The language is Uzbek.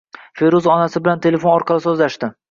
Feruza onasi bilan telefon orqali so‘zlashadi.